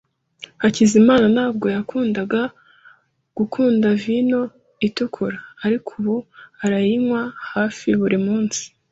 Hakizimana ntabwo yakundaga gukunda vino itukura, ariko ubu arayinywa hafi buri munsi.